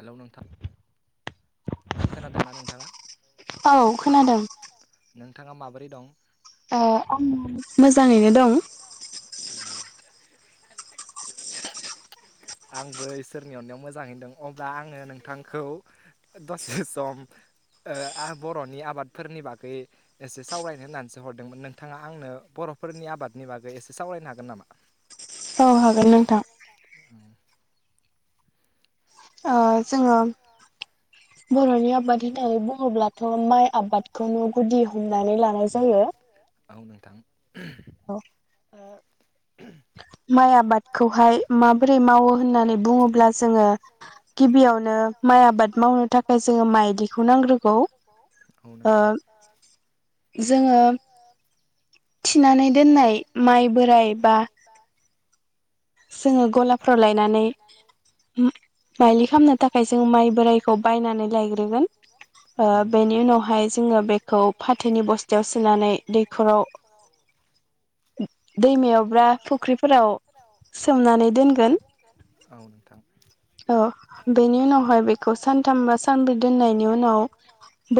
हेल' नोंथां खोनादोंना नोंथाङा औ खोनादों नोंथाङा माबोरै दं ओ आं मोजाङैनो दं [unintelligible] आंबो इसोरनि अननायाव मोजांयैनै दों अब्ला आङो नोंथांखौ दसे सम ओ आ बर'नि आबादफोरनि बागै एसे सावरायनो होननानैसो हरदोंमोन नोंथाङा आंनो ब' बर'फोरनि आबादनि बागै एसे सावरायनो हागोन नामा? औ हागोन नोंथां ओ जोङो बर'नि आबाद होननानै बुङोब्लाथ' माइ आबादखौनो गुदि हम नानै लानाय जोयो औ नोंथां [unintelligible] औ ओ [unintelligible] माइ आबादखौहाय माबोरै मावो होननानै बुङोब्ला जोङो गिबियावनो माइ आबाद मावनो थाखायस थाखाय जोंनो माइलिखौ नांग्रोगौ औ नोंथां ओ जोङो थिनानै दोननाय माइ बोराय बा जोङो गलाफ्राव लायनानै ओम माइलि खामनो थाखाय जों माइ बोराइखौ बायनानै लायग्रोगोन ओ बेनि उनावहाय जोङो बे खौ फाथोनि बस्थायाव सोनानै दैखराव दैमायावब्रा फुख्रिफोराव सोमनानै दोनगोन औ बेनि उनावहाय बेखौ सानथाम बा सानब्रै दोननायनि उनाव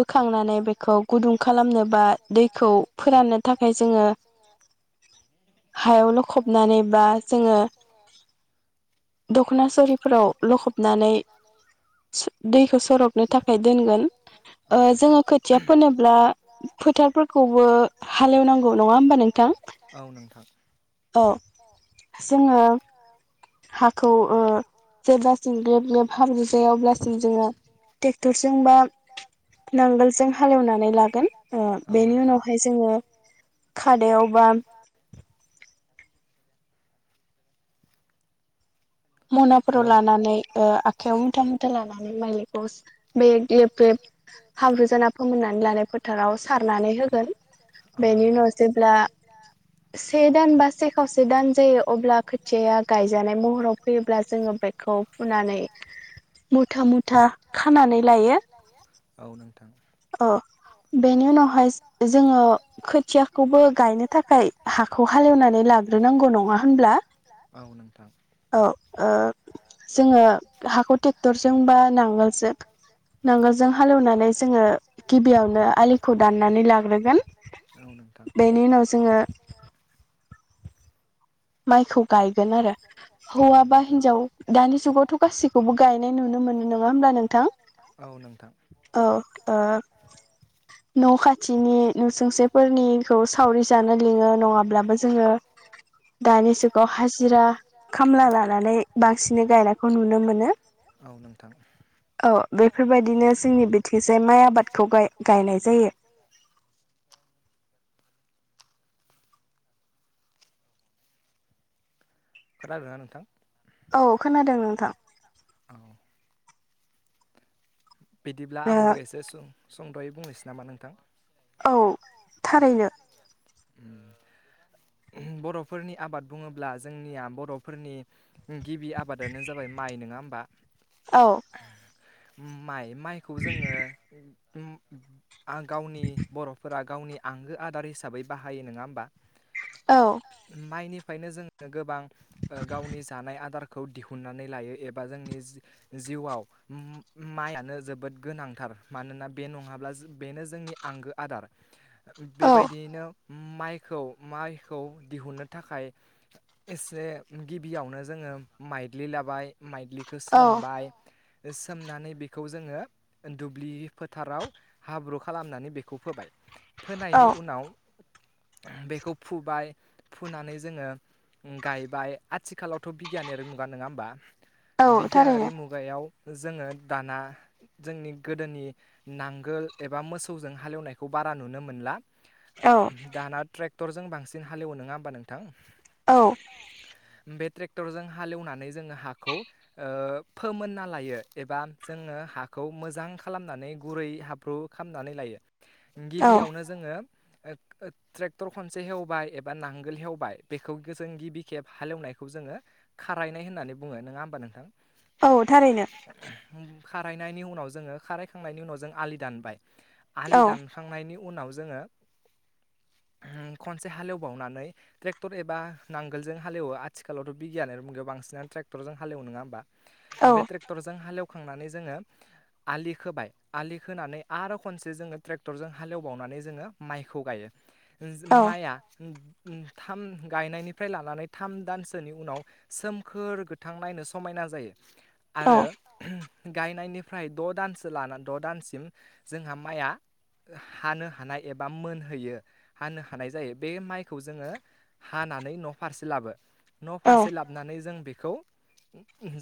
बोखांनानै बेखौ गुदुं खालामनो बा दैखौ फोराननो थाखाय जोङो [inaudible] हायाव लखबनानानै बा जोङो दखना सरिफोराव लखबनानै दैखौ सरबनो थाखाय दोनगोन ओ जोङो खोथिया फोनोब्ला फोथारफोरखौबो हालेवनांगौ नङा होमबा नोंथां औ जोङो हाखौ ओ जेब्ला [unintelligible] नांगोलजों हालेवनानै लागोन ओ बेनि उनावहाय जोङो खादायावबा मनाफोराव लानानै आखायाव मुथा मुथा लानानै माइलिखौ बे गे ग्लेब हाब्रु जाना फोमोननानै लानाय फोथाराव सारनानै होगोन बेनि उनाव जेब्ला से दान बा से खावसे दान जायो अब्ला खोथियाया गायजानाय महराव फैयोब्ला जोङो बेखौ फुनानै मुथा मुथा खानानै लायो ओ नों अ बेनि उनावहाय जोङो खोथियाखौबो गायनो थाखाय हाखौ हालेवनानै ला लाग्रोनांगौ नङा होनब्ला औ ओ जोङो हाखौ ट्रेक्टरजों बा नांगोलजों नांगोलजों हालेवनानै जोङो गिबियावनो आलिखौ दाननानै लाग्रोगोन बेनि उनाव जोङो [inaudible] माइखौ गायगोन आरो हौवा बा हिन्जाव दानि जुगावथ गाैखौबो गायनाय नुनो मोनो नङा होनोमब्ला नोंथां औनों औ ओ नखा खाथिनि नुसुंसेफोरनिखौ सावरि जानो लिङो नङाब्लाबो जोङो दानि जुगाव हाजिरा खामला लानानै बांसिनै गायनायखौ नुनो मोनो नोंथां औ बेफोरबायदिनो जोंनि बेथिंजाय माइ आबादखौ गाय--गायनाय जायो खोनादोना नोंथां औ खोनादों नोंथां औ बिदिब्ला आंबो एसे सुं सुंदयै बुंनोसै नामा नोंथां औ थारैनो उम बर'फोरनि आबाद बुङोब्ला जोंनिया बर'फोरनि गिबि आबादानो जाबाय माइ नङा होमबा औ माइ माइखौ जोङो गावनि बर'फोरा गावनि आंगो आदार हिसाबै बाहायो नङा होमबा माइनि बेखायनो जोङो गोबां गावनि जानाय आदारखौ दिहुननानै लायो एबा जोंनि जिउआव माइआनो जोबोद गोनांथार मानोना बे नङाब्ला बेनो जोंनि आंगो आदार बेबायदियैनो माइखौ माइखौ दिहुननो थाखाय एसे गिबियावनो जोङो माइदि्लि लाबाय माइदि्लिखौ सोमबाय सोमनानै बेखौ जोङो दुब्लि फोथाराव हाब्रु खालामनानै बेखौ फोबाय फोनायनि उनाव बेखौ फुबाय फुनानै जोङो गायबाय आथिखालावथ' बिगियानारि मुगा नङा होमबा बिगियानारि मुगायाव जोङो दाना जोंनि गोदोनि नांगोल एबा मोसौजों हालेवनायखौ बारा नुनो मोनो मोनला दाना ट्रेक्टरजों बांसिन हालेवो नङा होमबा नोंथां औ ट्रेक्टरजों हालेवनानै जोङो हाखौ फोमोनना लायो एबा जोङो हाखौ खौ मोजां खालामनानै गुरै हाब्रु खालामनानै लायो गबियावनो जोङो ट्रेक्टर खनसे हेवबाय एबा नांगोल हेवबाय बेखौ गोजोन गिबि खेब हालेवनाय खौ जोङो खारायनाय होननानै बुङो नङा होमबा नोंथां औ थारैनो खारायनायनि उनाव जोङो खारायखांनायनि उनाव जों आलि दानबाय आलि दानखांनायनि उनाव जोङो, खनसे हालेवबावनानै ट्रेक्टर एबा नांगोलजों हालेवो आथिखालावथ' बिगियानानो गोबां बांसिन ट्रेक्टरजों हालेवनोङाोमबा बे ट्रेक्टरजों हालेव खांनानै जोङो आलि खोबाय आलि खोना आरो खनसे जोङो ट्रेक्टरजों हालेवबावनानै जोङो माइखौ गायो माइआ थाम गायनायनिफ्राय लानानै थाम दानसोनि उनाव सोमखोर गोथां नायनो समायना जायो। आरो ओम गायनायनिफ्राय द' दानसो लानानै द' दानसिम जोंहा माइया, हानो हानाय एबा मोनहैयो हानो हानाय जायो बे माइखौ जोङो हाना नै न'फारसे लाबो न'फारसे लाबोनानै जों बेखौ,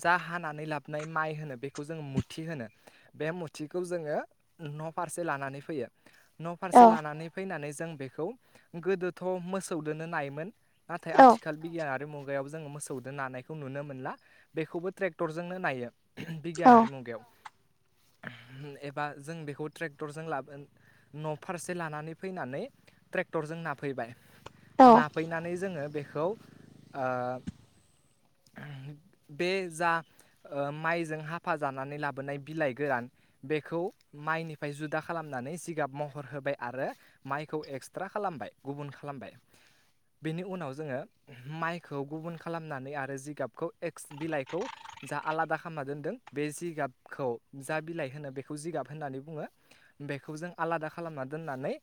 जा हानानै लाबोननाय माइ होनो बेखौ जो मुथि होनो बे मुथिखौ जोङो, न'फारसे लानानै फैयो न' फारसे लानानै फैनानै जों बेखौ गोदोथ' मोसौदोनो नायोमोन, नाथाय आथिखाल बिगियान आरो खुगायाव जोङो मोसौजों नानायखौ नुनो मोनला बेखौबो ट्रेक्टरजोंनो नायो। बिगियानारि मुगायाव एबा जों बेखौ ट्रेक्टरजों लाबोगोन, न' फारसे लानानै फैनानै ट्रेक्टरजों नाफैबाय, नाफैनानै जोङो बेखौ ओ बे जा माइजों हाफा जानानै लाबोनाय बिलाइ गोरान, बेखौ माइनिफ्राय जुदा खालामनानै सिगाब महर होबाय आरो माइखौ एक्सट्रा खालामबाय गुबुन खालामबाय बिनि उनाव जोङो माइखौ गुबुन खालामनानै आरो जिगाबखौ एक्स बिलाइखौ, जा आलादा खालामना दोनदों बे जिगाबखौ जा बिलाइ होनो बेखौ जिगाब होननानै बुङो। बेखौ जों, आलादा खालामना दोननानै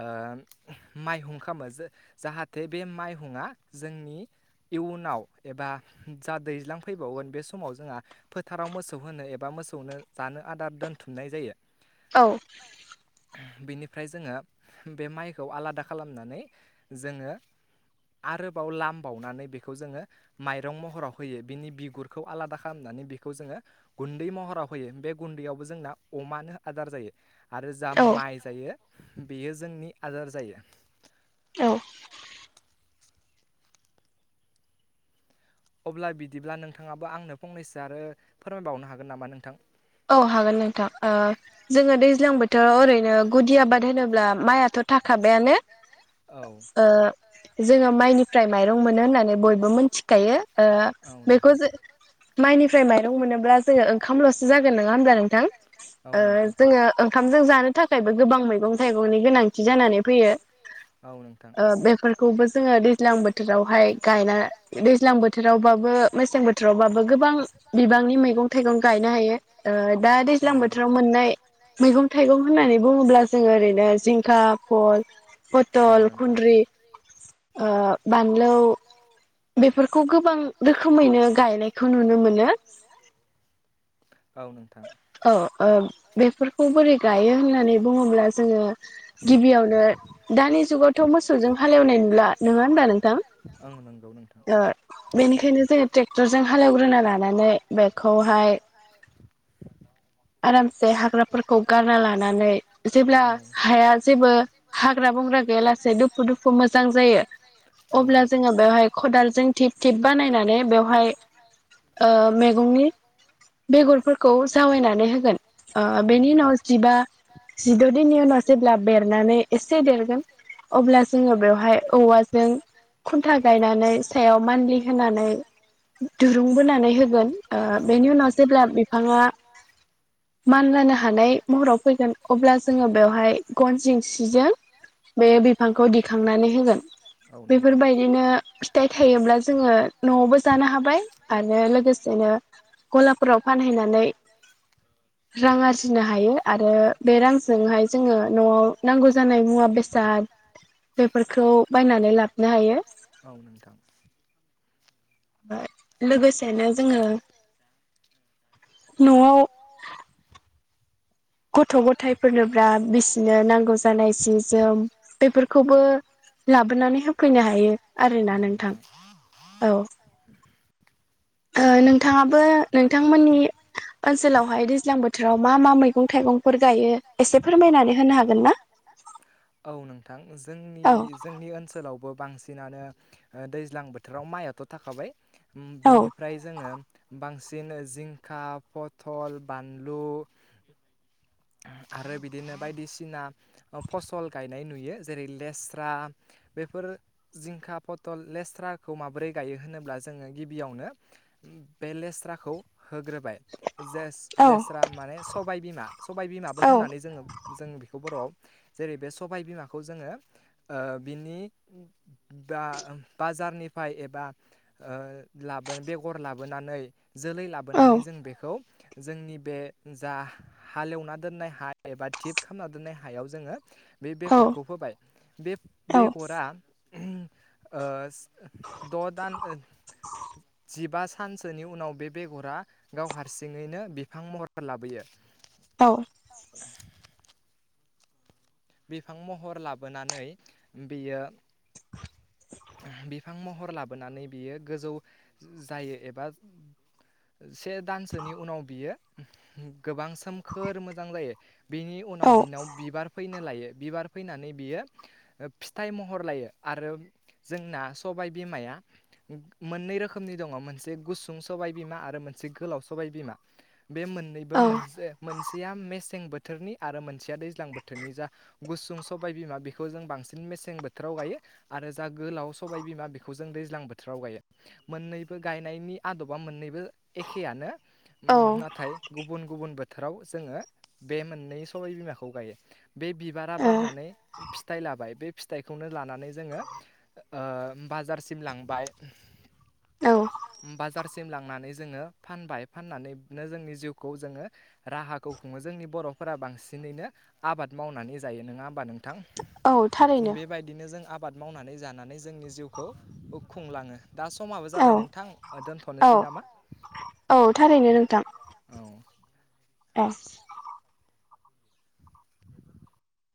ओ माइहुं खालामो जाहाथे बे माइहुं मुङा जोंनि इयुनाव एबा जा दैज्लां फैबावगोन बे समाव जोंहा फोथाराव मोसौ होनो एबा, मोसौनो जानो आदार दोनथुमनाय जायो। औ बिनिफ्राय जोङो बे माइखौ आलादा खालामनानै जोङो। आरोबाव लाम बावनानै बेखौ जोङो माइरं महराव होयो बिनि बिगुरखौ आलादा खालामनो। बेखौ जों गुन्दै महराव होयो बे गुन्दैयाबो जोंना अमानो आदार जायो आरो जा माइ जायो बेयो जोंनि आदार जायो। औ अब्ला बिदिब्ला नोंथाङाबो आंनो फंनैसो आरो फोरमायबावनो हागोन नामा नोंथां? औ हागोन नोंथां औ जोङो दैज्लां बोथोराव ओरैनो गुदि आबाद होनोब्ला माइआथ' थाखाबायानो ओ जोङो माइनिफ्राय माइरं मोनो होननानै बयबो मिथिखायो। ओ बेखौ जों माइनिफ्राय माइरं मोनोब्ला जोङो ओंखामल' जागोन नङा होमब्ला नोंथां ओ जोङो ओंखाम जों जानो थाखायबो गोबां मैगं थाइगंनि गोनां [unintelligible] जानानै फैयो ओ बेफोरखौबो जोङो दैज्लां बोथोरावहाय गाय दैज्लां बोथोरावबा, मेसें बोथोरावबाबो गोबां बिबांनि मैगं थाइगं गायनो हायो, ओ दा दैज्लां बोथोराव मोननाय, मैगं थाइगं होननानै बुङोब्ला जोङो ओरैनो जिंखा फल, पटल खुन्द्रि, ओ बानलौ बेफोरखौ गोबां, रोखोमैनो गायनायखौ नुनो मोनो, [inaudible] औ ओ बेफोरखौ बोरै गायो होननानै बुङोब्ला जोङो गिबियावनो दानि जुगावथ' मोसौजों हालेवनाय नुला नङा होनबा नोंथां ओं नंगौ ओ बेनिखायनो जे ट्रेक्टरजों हालेवग्रोना लानानै बेखौहाय [inaudible] आरामसे हाग्राफोरखौ गारना लानानै जेब्ला हाया जेबो हाग्रा बंग्रा गैया लासे दुफुर दुफुर मोजां जायो अब्ला जोङो बेवहाय आदारजों टिप टिप बानायनानै बेवहाय ओ मैगंनि बेगरफोरखौ खौ जावायनानै होगोन बेनि उनाव जिबा जिद' दिननि उनाव जेब्ला बेरनानै एसे देरगोन अब्ला जोङो बेवहाय औवाजों खुन्था गायनानै सायाव मान्थलि हो होनानै दुरुं बोनानै होगोन बेनि उनाव जेब्ला बिफाङा मानलानो हानाय महराव फैगोन अब्ला जोङो बेवहाय गन जिंसिजों बे बिफांखौ दिखांनानै होगोन बेफोरबायदिनो फिथाइ थायोब्ला जोङो न'आवबो जानो हाबाय आरो लोगोसेनो गलाफोराव फानहैनानै [inaudible] रां आरजिनो हायो आरो बे रांजोंहाय जोङो न'आव नांगौ जानाय मुवा बेसाद बेफोरखौ बायनानै लाबोनो हायो [inaudible] लोगोसेनो जोङो नआव गथ' गथायफोरनोब्ला बिसिनो नांगौ जानाय सि जोम बेफोरखौबो लाबोनानै होफैनो हायो आरोना नोंथां औ [unintelligible] नोंथाङाबो नोंथांमोननि ओनसोलावहाय दैज्लां बोथोराव मा मा मैं मैगं थाइगंफोर गायो एसे फोरमायनानै होनो हागोन ना थां जोंनि जोंनि ओनसोलावबो बांसिन आनो दैज्लां बोथोराव मायाथ' थाखाबाय उम बिनिफ्राय जोंङो बांसिन जिंखा पथल बानलु [inaudible] आरो बिदिनो बायदिसिना फसल गायनाय नुयो जेरै लेस्रा बेफोर जिंखा पथल लेस्राखौ माबोरै गायो होनोब्ला जोङो गिबियावनो बे लेस्राखौ होग्रोबाय जे लेस्रा माने सबाय बिमा सबाय बिमाबो होननानै जोंङो जों बेखौ बर आव जेरै बे सबाय बिमाखौ जोंङो ओ बिनि बा बाज बाजारनिफ्राय एबा ओ लाब बेगर लाबोनानै जोलै लाबोनानै जों बेखौ जोंनि बे जा हालेवना दोननाय हा एबा थिप खालामना दोननाय हायाव जोंङो बे बेगरखौ फोबाय बे बेगरा ओ द'दान जिबा सानसोनि उनाव बे बेगरा गाव हारसिङैनो बिफां महर लाबोयो औ बिफां महर लाबोनानै बियो [inaudible] बिफां महर लाबोनानै बियो गोजौ जायो एबा से दानसोनि उनाव बियो गोबां सोमखोर मोजां जायो। बिनि उनाव बिनाव बिबार लायो बिबार फैनानै बियो फिथाइ महर लायो आरो जोंना सबाय बिमाया मोननै रोखोमनि दङ मोनसे गुसुं सबाय बिमा आरो मोनसे गोलाव सबाय बिमा बे मोननैबो मोनसे मोनसेया मेसें बोथोरनि आरो मोनसेया दैज्लां बोथोर थोरनि जा गुसुं सबाय बिमा बेखौ जों बांसिन मेसें बोथोराव गायो आरो जा गोलाव सबाय बिमा बेखौ जों दैज्लां बोथोराव गायो मोन्नैबो गायनायनि आदबा मोननैबो एखेयानो नाथाय गुबुन गुबुन बोथ थोराव जोङो बे मोननै सबाय बिमाखौ गायो। बे बिबारा बारनानै फिथाइ लाबाय बे फिथाइखौनो लानानै जोङो ओ बाजारसिम लांबाय बाजार सिम लांनानै जोंङो फानबाय फाननानैनो जोंनि जिउखौ जोंङो राहाखौ खुंङो जोंनि बर' फोरा बांसिनैनो आबाद मावनानै जायो नङा होमबा नोंथां बेबायदिनो जों आबाद आबाद मावनानै जानानै जोंनि जिउखौ खुंलाङो। दा समाबो जाबाय नोंथां दोन्थ'नोसै नामा? औ थारैनो नोंथां औ।